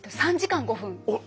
３時間５分。